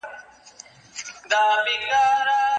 توري ورځي سپیني شپې مي نصیب راکړې